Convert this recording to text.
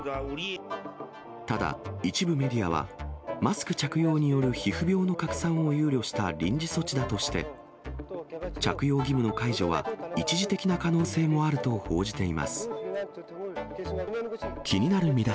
ただ、一部メディアは、マスク着用による皮膚病の拡散を憂慮した臨時措置だとして、着用義務の解除は一時的な可能性もあると報じています。